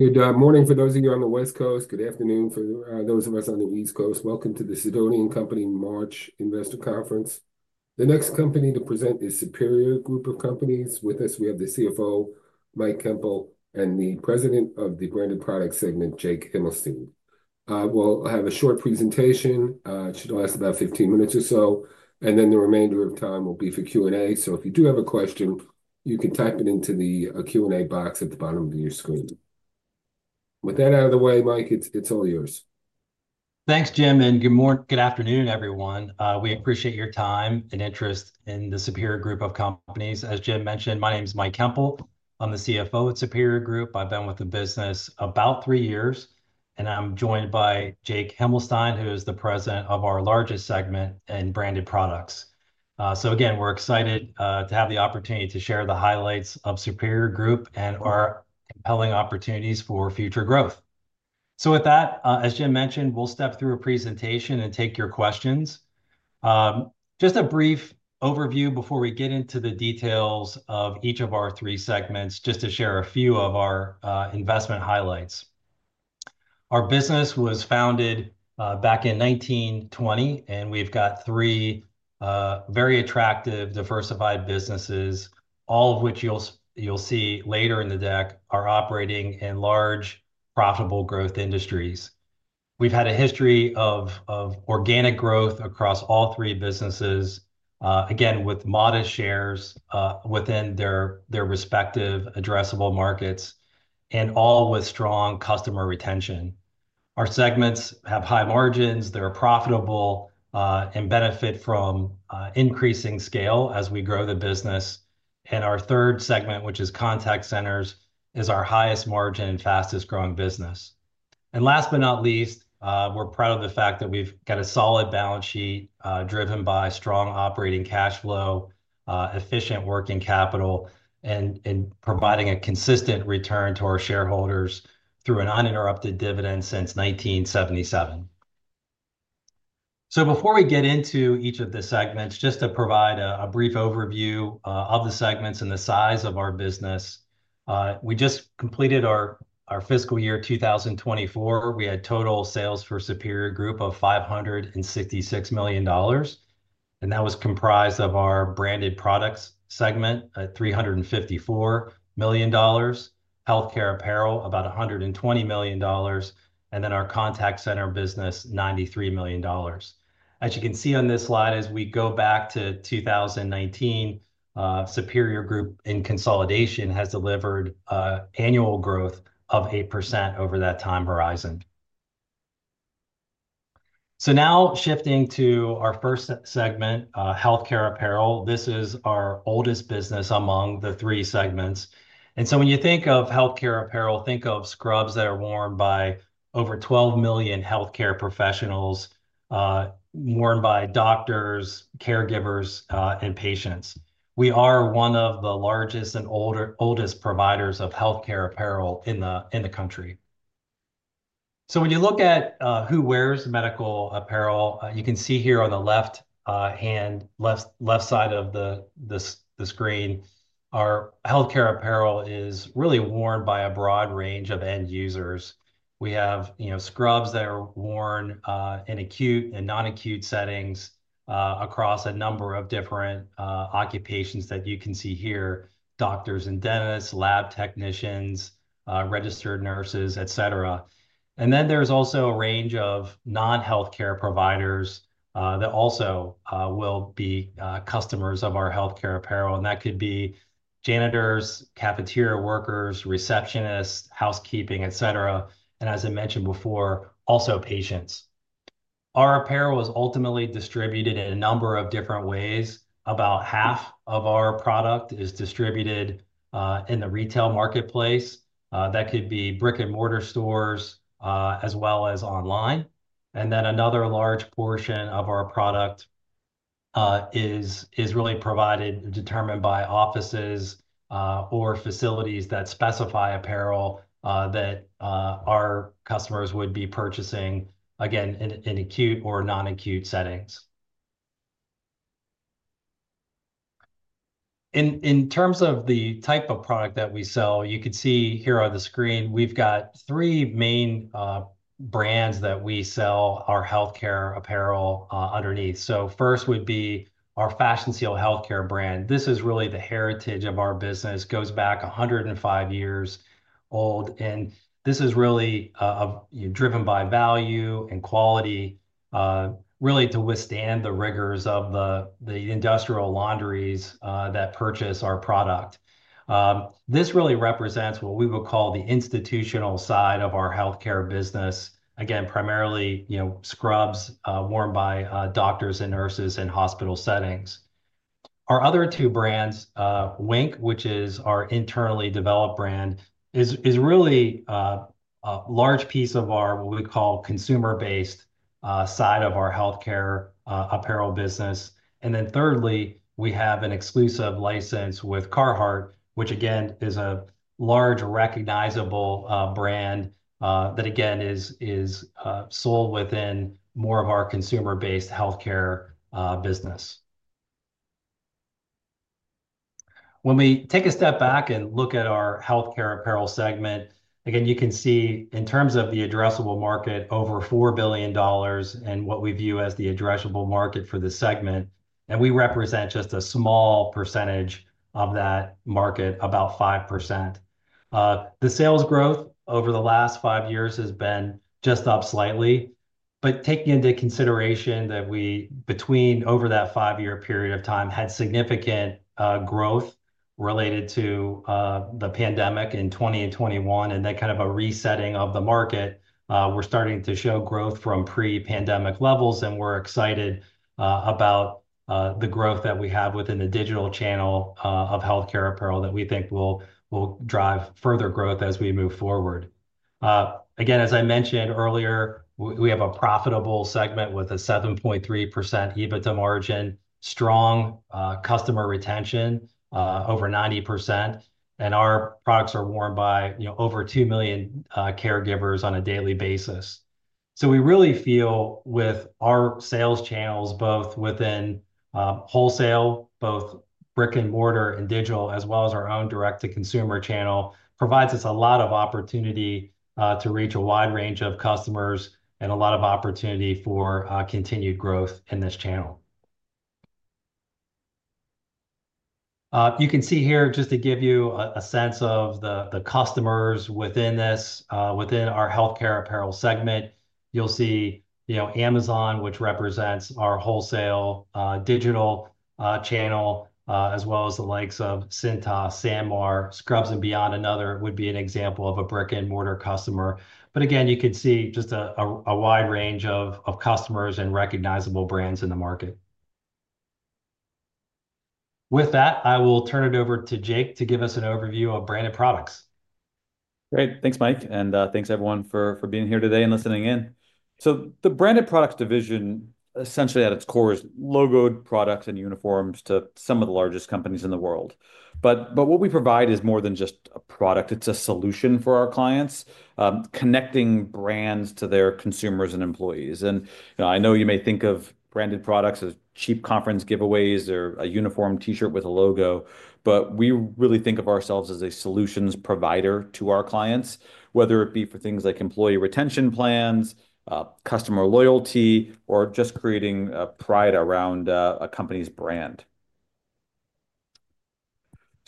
Good morning for those of you on the West Coast. Good afternoon for those of us on the East Coast. Welcome to the Sidoti Company March Investor Conference. The next company to present is Superior Group of Companies. With us, we have the CFO, Mike Koempel, and the President of the Branded Products Segment, Jake Himelstein. We'll have a short presentation. It should last about 15 minutes or so, and then the remainder of time will be for Q&A. If you do have a question, you can type it into the Q&A box at the bottom of your screen. With that out of the way, Mike, it's all yours. Thanks, Jim, and good afternoon, everyone. We appreciate your time and interest in the Superior Group of Companies. As Jim mentioned, my name is Mike Koempel. I'm the CFO at Superior Group. I've been with the business about three years, and I'm joined by Jake Himelstein, who is the President of our largest segment in Branded Products. Again, we're excited to have the opportunity to share the highlights of Superior Group and our compelling opportunities for future growth. With that, as Jim mentioned, we'll step through a presentation and take your questions. Just a brief overview before we get into the details of each of our three segments, just to share a few of our investment highlights. Our business was founded back in 1920, and we've got three very attractive, diversified businesses, all of which you'll see later in the deck, are operating in large, profitable growth industries. We've had a history of organic growth across all three businesses, again, with modest shares within their respective addressable markets, and all with strong customer retention. Our segments have high margins. They're profitable and benefit from increasing scale as we grow the business. Our third segment, which is Contact Centers, is our highest margin and fastest growing business. Last but not least, we're proud of the fact that we've got a solid balance sheet driven by strong operating cash flow, efficient working capital, and providing a consistent return to our shareholders through an uninterrupted dividend since 1977. Before we get into each of the segments, just to provide a brief overview of the segments and the size of our business, we just completed our fiscal year 2024. We had total sales for Superior Group of $566 million, and that was comprised of our Branded Products segment at $354 million, healthcare apparel about $120 million, and then our contact center business, $93 million. As you can see on this slide, as we go back to 2019, Superior Group in consolidation has delivered annual growth of 8% over that time horizon. Now shifting to our first segment, healthcare apparel. This is our oldest business among the three segments. When you think of healthcare apparel, think of scrubs that are worn by over 12 million healthcare professionals, worn by doctors, caregivers, and patients. We are one of the largest and oldest providers of healthcare apparel in the country. When you look at who wears medical apparel, you can see here on the left-hand side of the screen, our healthcare apparel is really worn by a broad range of end users. We have scrubs that are worn in acute and non-acute settings across a number of different occupations that you can see here: doctors and dentists, lab technicians, registered nurses, etc. There is also a range of non-healthcare providers that also will be customers of our healthcare apparel. That could be janitors, cafeteria workers, receptionists, housekeeping, etc. As I mentioned before, also patients. Our apparel is ultimately distributed in a number of different ways. About half of our product is distributed in the retail marketplace. That could be brick-and-mortar stores as well as online. Another large portion of our product is really provided and determined by offices or facilities that specify apparel that our customers would be purchasing, again, in acute or non-acute settings. In terms of the type of product that we sell, you can see here on the screen, we have three main brands that we sell our Healthcare Apparel underneath. First would be our Fashion Seal Healthcare brand. This is really the heritage of our business. It goes back 105 years old. This is really driven by value and quality, really to withstand the rigors of the Industrial Laundries that purchase our product. This really represents what we would call the institutional side of our healthcare business, again, primarily scrubs worn by doctors and nurses in hospital settings. Our other two brands, Wink, which is our internally developed brand, is really a large piece of our what we call consumer-based side of our healthcare apparel business. Thirdly, we have an exclusive license with Carhartt, which again is a large recognizable brand that again is sold within more of our consumer-based healthcare business. When we take a step back and look at our Healthcare Apparel segment, you can see in terms of the addressable market, over $4 billion in what we view as the addressable market for the segment. We represent just a small percentage of that market, about 5%. The sales growth over the last five years has been just up slightly, but taking into consideration that we between over that five-year period of time had significant growth related to the pandemic in 2021 and then kind of a resetting of the market, we are starting to show growth from pre-pandemic levels. We are excited about the growth that we have within the digital channel of healthcare apparel that we think will drive further growth as we move forward. Again, as I mentioned earlier, we have a profitable segment with a 7.3% EBITDA margin, strong customer retention over 90%, and our products are worn by over 2 million caregivers on a daily basis. We really feel with our sales channels, both within wholesale, both brick-and-mortar and digital, as well as our own direct-to-consumer channel, provides us a lot of opportunity to reach a wide range of customers and a lot of opportunity for continued growth in this channel. You can see here, just to give you a sense of the customers within our Healthcare Apparel segment, you'll see Amazon, which represents our wholesale digital channel, as well as the likes of SanMar, Scrubs & Beyond, another would be an example of a brick-and-mortar customer. Again, you can see just a wide range of customers and recognizable brands in the market. With that, I will turn it over to Jake to give us an overview of Branded Products. Great. Thanks, Mike. Thanks, everyone, for being here today and listening in. The Branded Products division, essentially at its core, is logoed products and uniforms to some of the largest companies in the world. What we provide is more than just a product. It's a solution for our clients, connecting brands to their consumers and employees. I know you may think of Branded Products as cheap conference giveaways or a uniform T-shirt with a logo, but we really think of ourselves as a solutions provider to our clients, whether it be for things like employee retention plans, customer loyalty, or just creating pride around a company's brand.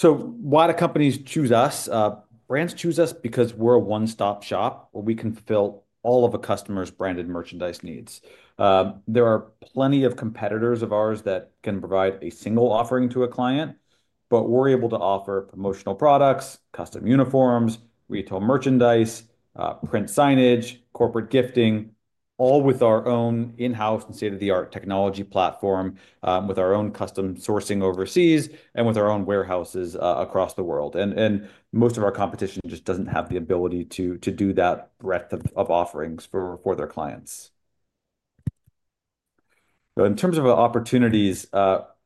Why do companies choose us? Brands choose us because we're a one-stop shop where we can fulfill all of a customer's branded merchandise needs. There are plenty of competitors of ours that can provide a single offering to a client, but we're able to offer Promotional Products, Custom Uniforms, Retail Merchandise, Print Signage, Corporate Gifting, all with our own in-house and state-of-the-art Technology Platform, with our own custom sourcing overseas, and with our own warehouses across the world. Most of our competition just doesn't have the ability to do that breadth of offerings for their clients. In terms of opportunities,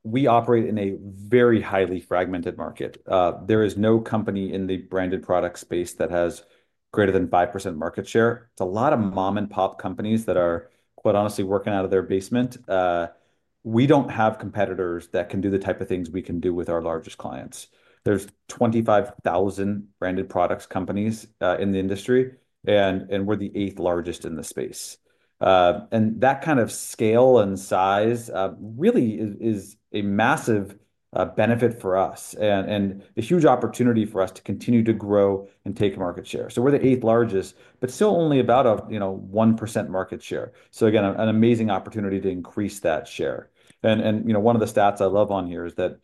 we operate in a very highly fragmented market. There is no company in the branded product space that has greater than 5% market share. It's a lot of mom-and-pop companies that are, quite honestly, working out of their basement. We don't have competitors that can do the type of things we can do with our largest clients. There is 25,000 Branded Products companies in the industry, and we're the eighth largest in the space. That kind of scale and size really is a massive benefit for us and a huge opportunity for us to continue to grow and take market share. We're the eighth largest, but still only about a 1% market share. Again, an amazing opportunity to increase that share. One of the stats I love on here is that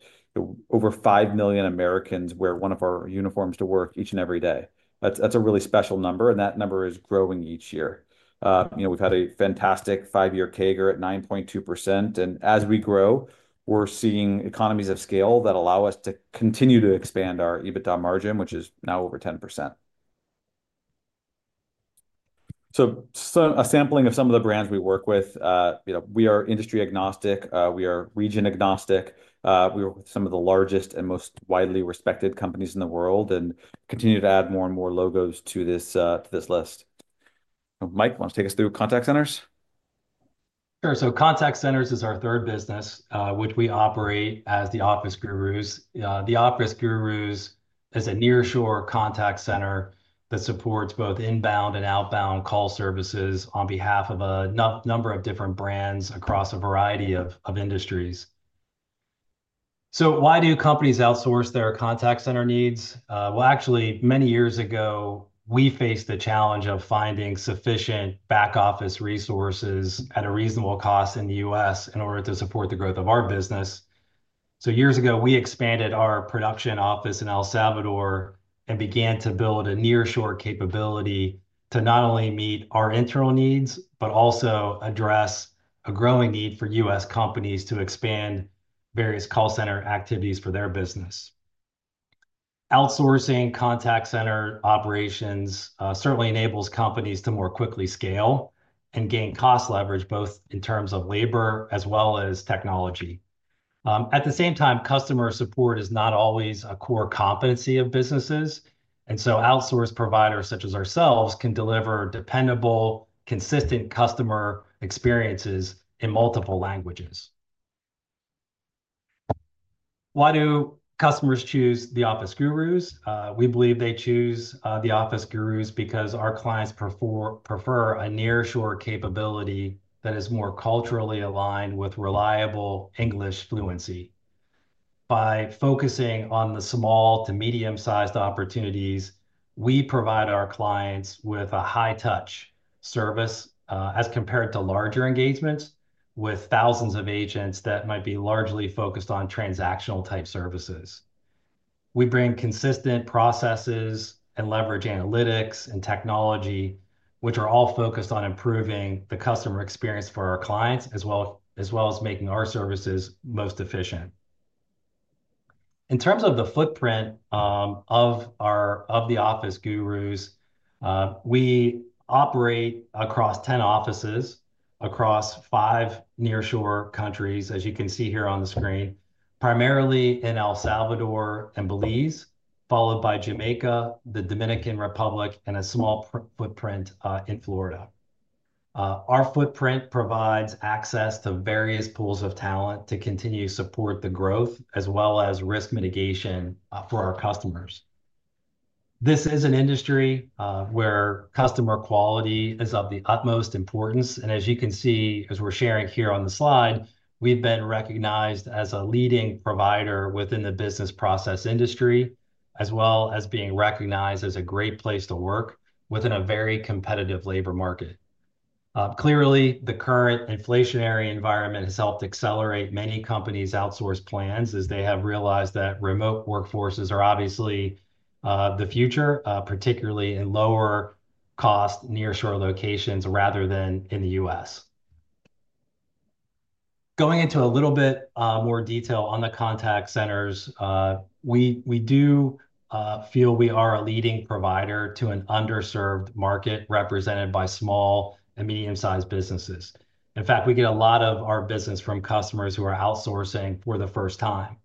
over 5 million Americans wear one of our uniforms to work each and every day. That's a really special number, and that number is growing each year. We've had a fantastic five-year CAGR at 9.2%. As we grow, we're seeing Economies of Scale that allow us to continue to expand our EBITDA margin, which is now over 10%. A sampling of some of the brands we work with. We are industry agnostic. We are region agnostic. We work with some of the largest and most widely respected companies in the world and continue to add more and more logos to this list. Mike, want to take us through Contact Centers? Sure. Contact Centers is our third business, which we operate as The Office Gurus. The Office Gurus is a nearshore contact center that supports both inbound and outbound call services on behalf of a number of different brands across a variety of industries. Why do companies outsource their contact center needs? Actually, many years ago, we faced the challenge of finding sufficient back-office resources at a reasonable cost in the U.S. in order to support the growth of our business. Years ago, we expanded our production office in El Salvador and began to build a nearshore capability to not only meet our internal needs, but also address a growing need for U.S. companies to expand various call center activities for their business. Outsourcing contact center operations certainly enables companies to more quickly scale and gain cost leverage, both in terms of labor as well as technology. At the same time, customer support is not always a core competency of businesses. Outsource providers such as ourselves can deliver dependable, consistent customer experiences in multiple languages. Why do customers choose The Office Gurus? We believe they choose The Office Gurus because our clients prefer a nearshore capability that is more culturally aligned with reliable English fluency. By focusing on the small to medium-sized opportunities, we provide our clients with a high-touch service as compared to larger engagements with thousands of agents that might be largely focused on transactional-type services. We bring consistent processes and leverage analytics and technology, which are all focused on improving the customer experience for our clients as well as making our services most efficient. In terms of the footprint of The Office Gurus, we operate across 10 offices across five nearshore countries, as you can see here on the screen, primarily in El Salvador and Belize, followed by Jamaica, the Dominican Republic, and a small footprint in Florida. Our footprint provides access to various pools of talent to continue to support the growth as well as risk mitigation for our customers. This is an industry where customer quality is of the utmost importance. As you can see, as we're sharing here on the slide, we've been recognized as a leading provider within the business process industry, as well as being recognized as a great place to work within a very competitive labor market. Clearly, the current inflationary environment has helped accelerate many companies' outsource plans as they have realized that remote workforces are obviously the future, particularly in lower-cost nearshore locations rather than in the U.S. Going into a little bit more detail on the Contact Centers, we do feel we are a leading provider to an underserved market represented by small and medium-sized businesses. In fact, we get a lot of our business from customers who are outsourcing for the first time.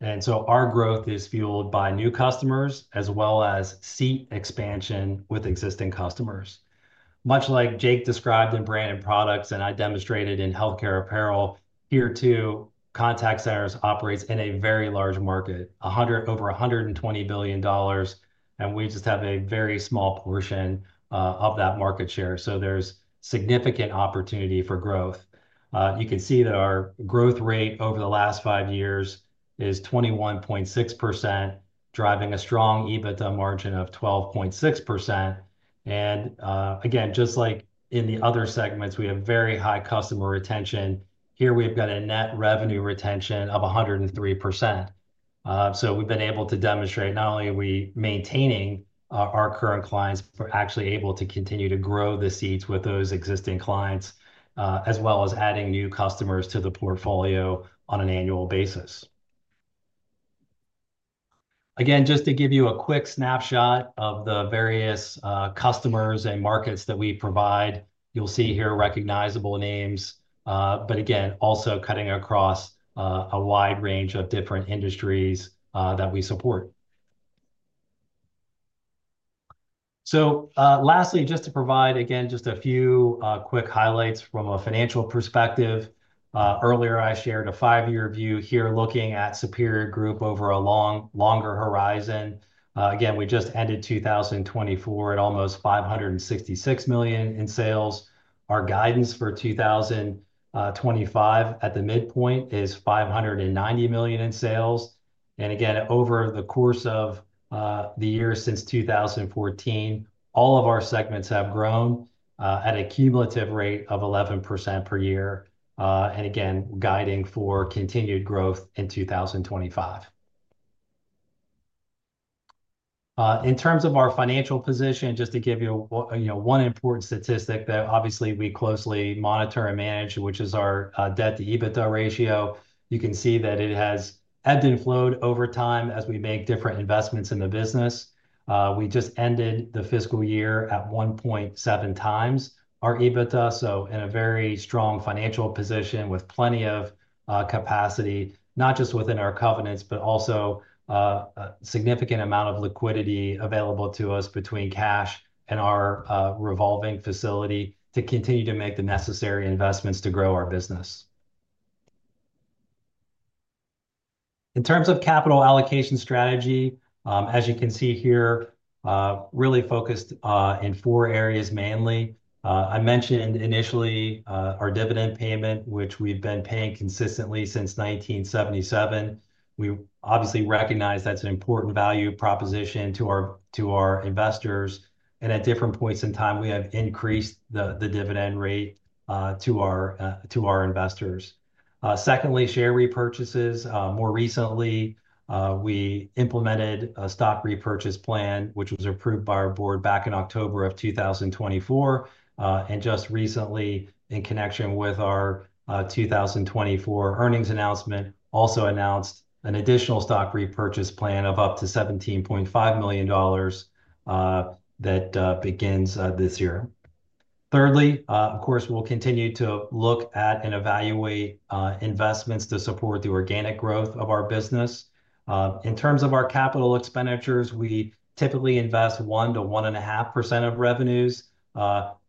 Our growth is fueled by new customers as well as seat expansion with existing customers. Much like Jake described in Branded Products and I demonstrated in healthcare apparel, here too, Contact Centers operate in a very large market, over $120 billion, and we just have a very small portion of that market share. There is significant opportunity for growth. You can see that our growth rate over the last five years is 21.6%, driving a strong EBITDA margin of 12.6%. Again, just like in the other segments, we have very high customer retention. Here, we've got a net revenue retention of 103%. We've been able to demonstrate not only are we maintaining our current clients, but actually able to continue to grow the seats with those existing clients, as well as adding new customers to the portfolio on an annual basis. Again, just to give you a quick snapshot of the various customers and markets that we provide, you'll see here recognizable names, but again, also cutting across a wide range of different industries that we support. Lastly, just to provide, again, just a few quick highlights from a financial perspective. Earlier, I shared a five-year view here looking at Superior Group of Companies over a longer horizon. Again, we just ended 2024 at almost $566 million in sales. Our guidance for 2025 at the midpoint is $590 million in sales. Again, over the course of the year since 2014, all of our segments have grown at a cumulative rate of 11% per year. Guiding for continued growth in 2025. In terms of our financial position, just to give you one important statistic that obviously we closely monitor and manage, which is our debt-to-EBITDA ratio, you can see that it has ebbed and flowed over time as we make different investments in the business. We just ended the fiscal year at 1.7 times our EBITDA. In a very strong financial position with plenty of capacity, not just within our covenants, but also a significant amount of liquidity available to us between cash and our revolving facility to continue to make the necessary investments to grow our business. In terms of capital allocation strategy, as you can see here, really focused in four areas mainly. I mentioned initially our dividend payment, which we've been paying consistently since 1977. We obviously recognize that's an important value proposition to our investors. At different points in time, we have increased the dividend rate to our investors. Secondly, share repurchases. More recently, we implemented a stock repurchase plan, which was approved by our board back in October of 2024. Just recently, in connection with our 2024 earnings announcement, also announced an additional stock repurchase plan of up to $17.5 million that begins this year. Thirdly, of course, we'll continue to look at and evaluate investments to support the organic growth of our business. In terms of our capital expenditures, we typically invest 1%-1.5% of revenues.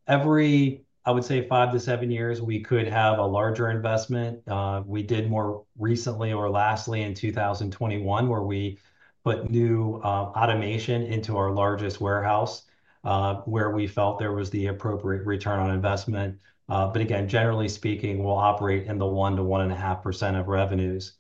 Every, I would say, five to seven years, we could have a larger investment. We did more recently or lastly in 2021, where we put new automation into our largest warehouse, where we felt there was the appropriate return on investment. Again, generally speaking, we'll operate in the 1-1.5% of revenues.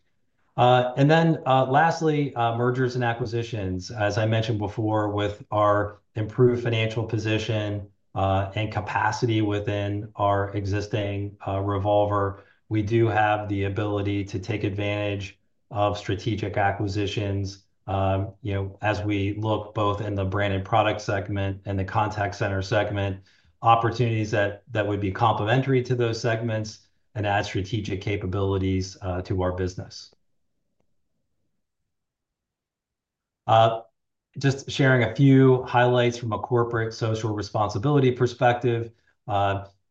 Lastly, mergers and acquisitions. As I mentioned before, with our improved financial position and capacity within our existing revolver, we do have the ability to take advantage of strategic acquisitions as we look both in the Branded Products segment and the contact center segment, opportunities that would be complementary to those segments and add strategic capabilities to our business. Just sharing a few highlights from a corporate social responsibility perspective.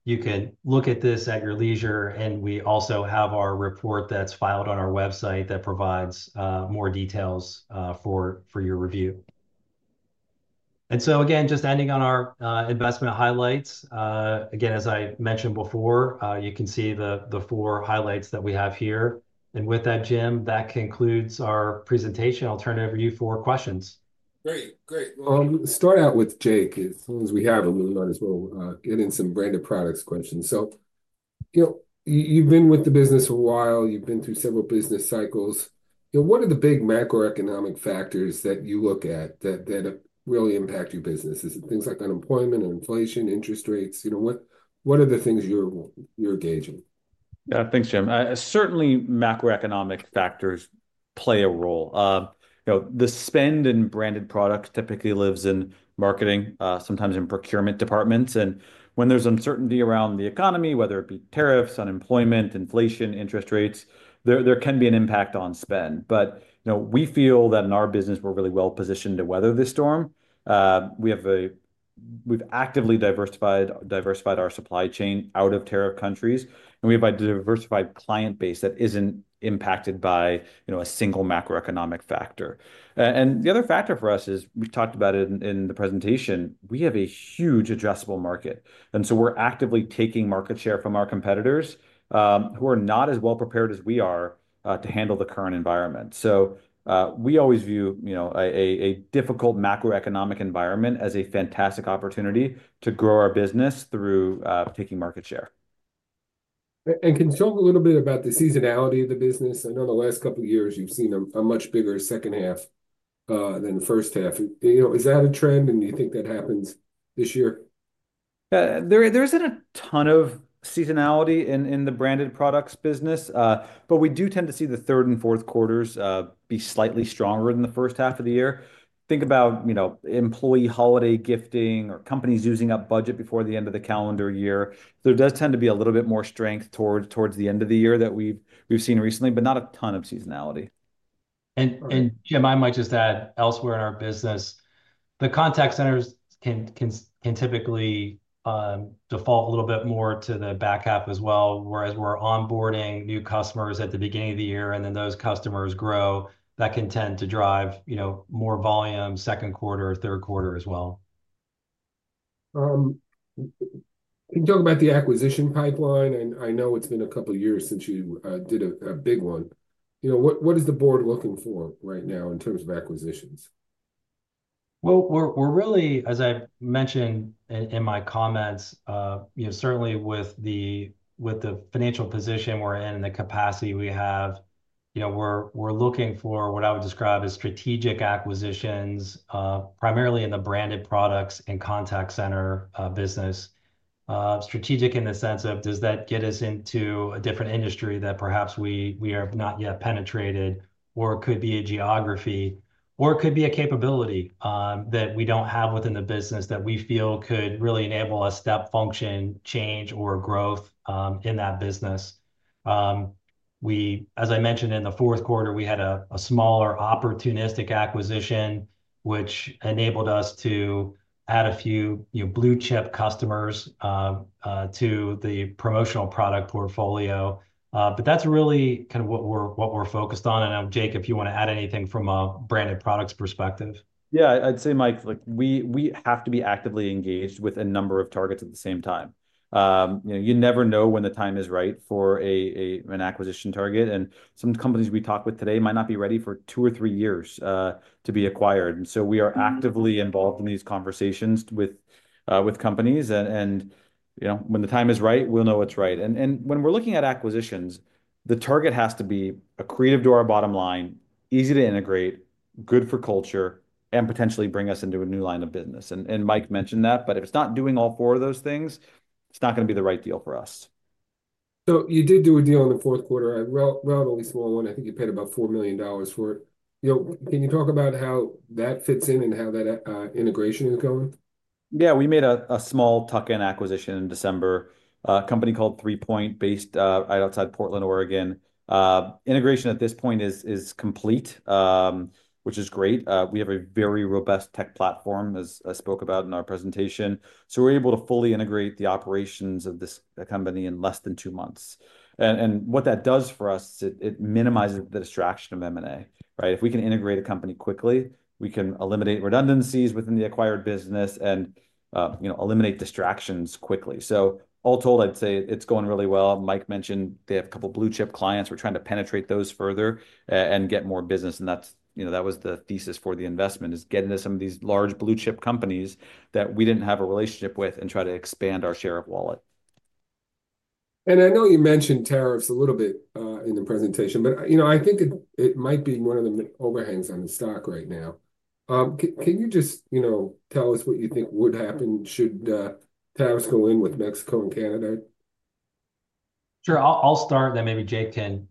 You can look at this at your leisure, and we also have our report that is filed on our website that provides more details for your review. Again, just ending on our investment highlights. As I mentioned before, you can see the four highlights that we have here. With that, Jim, that concludes our presentation. I'll turn it over to you for questions. Great. Great. Start out with Jake. As long as we have him, we might as well get in some Branded Products questions. You have been with the business for a while. You have been through several business cycles. What are the big Macroeconomic Factors that you look at that really impact your business? Is it things like unemployment and inflation, interest rates? What are the things you are engaging? Yeah. Thanks, Jim. Certainly, Macroeconomic Factors play a role. The spend in Branded Products typically lives in marketing, sometimes in Procurement Departments. When there is uncertainty around the economy, whether it be tariffs, unemployment, inflation, interest rates, there can be an impact on spend. We feel that in our business, we are really well positioned to weather this storm. We have actively diversified our supply chain out of tariff countries, and we have a diversified client base that is not impacted by a single macroeconomic factor. The other factor for us is we have talked about it in the presentation. We have a huge addressable market. We are actively taking market share from our competitors who are not as well prepared as we are to handle the current environment. We always view a difficult macroeconomic environment as a fantastic opportunity to grow our business through taking market share. Can you talk a little bit about the seasonality of the business? I know in the last couple of years, you've seen a much bigger second half than the first half. Is that a trend, and do you think that happens this year? There is not a ton of seasonality in the Branded Products business, but we do tend to see the third and fourth quarters be slightly stronger than the first half of the year. Think about employee holiday gifting or companies using up budget before the end of the calendar year. There does tend to be a little bit more strength towards the end of the year that we have seen recently, but not a ton of seasonality. Jim, I might just add elsewhere in our business, the Contact Centers can typically default a little bit more to the back half as well, whereas we're onboarding new customers at the beginning of the year, and then those customers grow that can tend to drive more volume second quarter, third quarter as well. Can you talk about the acquisition pipeline? I know it's been a couple of years since you did a big one. What is the board looking for right now in terms of acquisitions? We're really, as I mentioned in my comments, certainly with the financial position we're in and the capacity we have, we're looking for what I would describe as strategic acquisitions, primarily in the Branded Products and contact center business. Strategic in the sense of does that get us into a different industry that perhaps we have not yet penetrated, or it could be a geography, or it could be a capability that we do not have within the business that we feel could really enable a step function change or growth in that business. As I mentioned, in the fourth quarter, we had a smaller opportunistic acquisition, which enabled us to add a few blue chip customers to the promotional product portfolio. That's really kind of what we're focused on. Jake, if you want to add anything from a Branded Products perspective. Yeah, I'd say, Mike, we have to be actively engaged with a number of targets at the same time. You never know when the time is right for an acquisition target. Some companies we talk with today might not be ready for two or three years to be acquired. We are actively involved in these conversations with companies. When the time is right, we'll know what's right. When we're looking at acquisitions, the target has to be accretive to our bottom line, easy to integrate, good for culture, and potentially bring us into a new line of business. Mike mentioned that, but if it's not doing all four of those things, it's not going to be the right deal for us. You did do a deal in the fourth quarter, a relatively small one. I think you paid about $4 million for it. Can you talk about how that fits in and how that integration is going? Yeah, we made a small tuck-in acquisition in December, a company called 3 Point based outside Portland, Oregon. Integration at this point is complete, which is great. We have a very robust tech platform, as I spoke about in our presentation. We are able to fully integrate the operations of this company in less than two months. What that does for us, it minimizes the distraction of M&A. If we can integrate a company quickly, we can eliminate redundancies within the acquired business and eliminate distractions quickly. All told, I'd say it's going really well. Mike mentioned they have a couple of Blue Chip Clients. We're trying to penetrate those further and get more business. That was the thesis for the investment, getting to some of these large Blue Chip Companies that we did not have a relationship with and trying to expand our share of wallet. I know you mentioned tariffs a little bit in the presentation, but I think it might be one of the overhangs on the stock right now. Can you just tell us what you think would happen should tariffs go in with Mexico and Canada? Sure. I'll start, and then maybe Jake can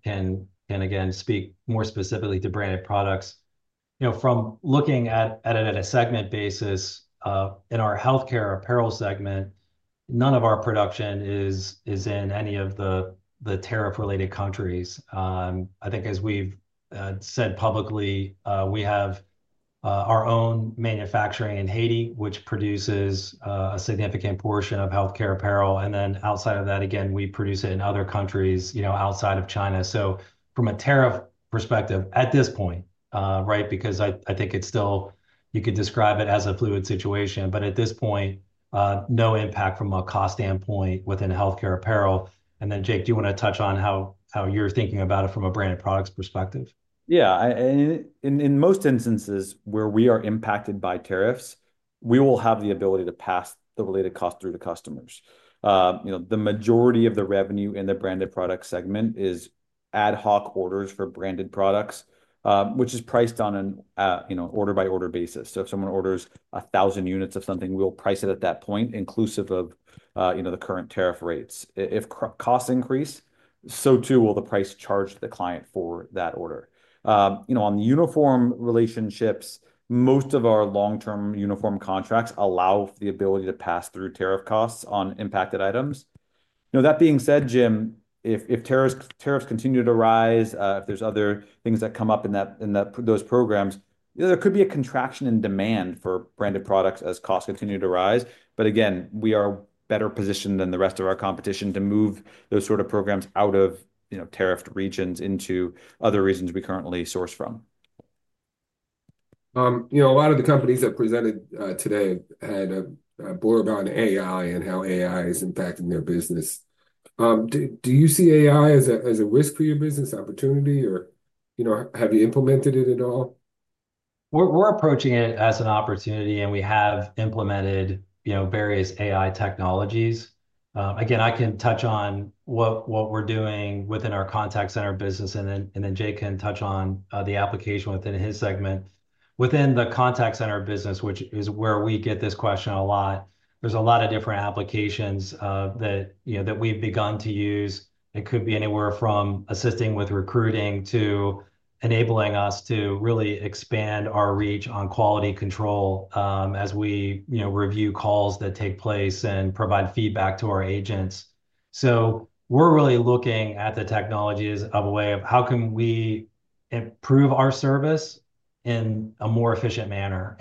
again speak more specifically to Branded Products. From looking at it at a segment basis, in our Healthcare Apparel segment, none of our production is in any of the tariff-related countries. I think, as we've said publicly, we have our own manufacturing in Haiti, which produces a significant portion of healthcare apparel. Outside of that, again, we produce it in other countries outside of China. From a tariff perspective at this point, because I think it's still, you could describe it as a fluid situation, at this point, no impact from a cost standpoint within healthcare apparel. Jake, do you want to touch on how you're thinking about it from a Branded Products perspective? Yeah. In most instances where we are impacted by tariffs, we will have the ability to pass the related cost through to customers. The majority of the revenue in the branded product segment is ad hoc orders for Branded Products, which is priced on an order-by-order basis. If someone orders 1,000 units of something, we'll price it at that point, inclusive of the current tariff rates. If costs increase, so too will the price charged the client for that order. On the uniform relationships, most of our long-term uniform contracts allow the ability to pass through tariff costs on impacted items. That being said, Jim, if tariffs continue to rise, if there's other things that come up in those programs, there could be a contraction in demand for Branded Products as costs continue to rise. Again, we are better positioned than the rest of our competition to move those sort of programs out of tariffed regions into other regions we currently source from. A lot of the companies that presented today had a blurb on AI and how AI is impacting their business. Do you see AI as a risk for your business opportunity, or have you implemented it at all? We're approaching it as an opportunity, and we have implemented various AI Technologies. Again, I can touch on what we're doing within our contact center business, and then Jake can touch on the application within his segment. Within the contact center business, which is where we get this question a lot, there's a lot of different applications that we've begun to use. It could be anywhere from assisting with recruiting to enabling us to really expand our reach on quality control as we review calls that take place and provide feedback to our agents. We're really looking at the technologies of a way of how can we improve our service in a more efficient manner.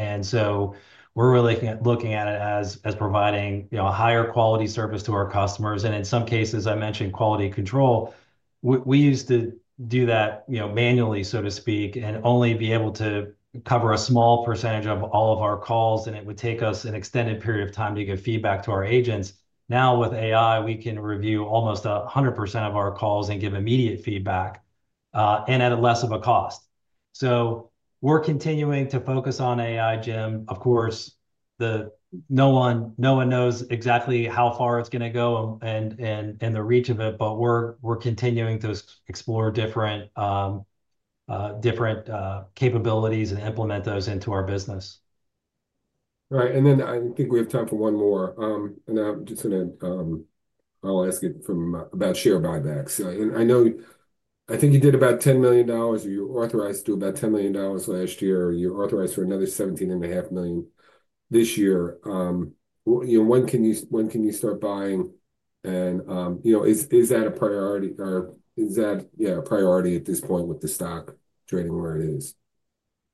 We're really looking at it as providing a higher quality service to our customers. In some cases, I mentioned quality control. We used to do that manually, so to speak, and only be able to cover a small percentage of all of our calls, and it would take us an extended period of time to give feedback to our agents. Now with AI, we can review almost 100% of our calls and give immediate feedback and at less of a cost. We are continuing to focus on AI, Jim. Of course, no one knows exactly how far it's going to go and the reach of it, but we are continuing to explore different capabilities and implement those into our business. All right. I think we have time for one more. I'm just going to ask it about share buybacks. I think you did about $10 million. You were authorized to do about $10 million last year. You were authorized for another $17.5 million this year. When can you start buying? Is that a priority, or is that a priority at this point with the stock trading where it is?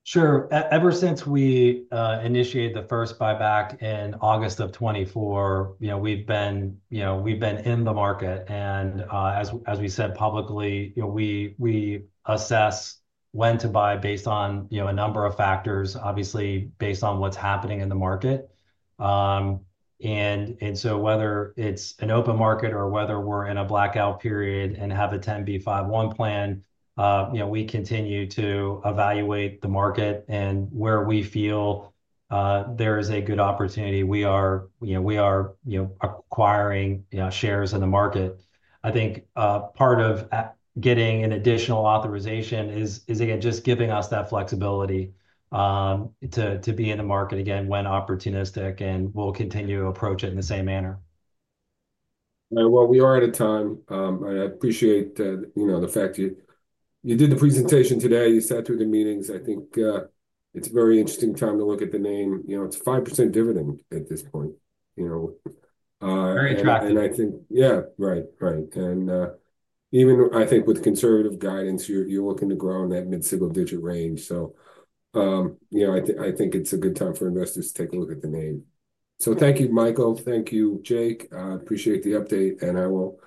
Sure. Ever since we initiated the first buyback in August of 2024, we've been in the market. As we said publicly, we assess when to buy based on a number of factors, obviously based on what's happening in the market. Whether it's an open market or whether we're in a blackout period and have a 10b5-1 Plan, we continue to evaluate the market and where we feel there is a good opportunity. We are acquiring shares in the market. I think part of getting an additional authorization is, again, just giving us that flexibility to be in the market again when opportunistic, and we'll continue to approach it in the same manner. We are at a time. I appreciate the fact you did the presentation today. You sat through the meetings. I think it's a very interesting time to look at the name. It's 5% dividend at this point. Very attractive. I think, yeah, right. Right. Even I think with conservative guidance, you're looking to grow in that mid-single digit range. I think it's a good time for investors to take a look at the name. Thank you, Michael. Thank you, Jake. I appreciate the update, and I will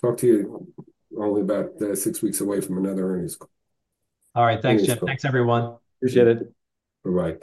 talk to you only about six weeks away from another earnings call. All right. Thanks, Jim. Thanks, everyone. Appreciate it. Bye-bye.